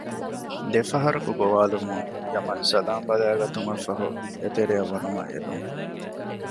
ދެފަހަރަކު ގޮވާލުމުން ޔަމަން ސަލާމް ބަލައިގަތުމަށް ފަހު އެތެރެއަށް ވަނުމަށް އެދުން